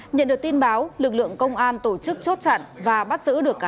nhận được tin báo lực lượng công an tổ chức chốt chặn và bắt giữ được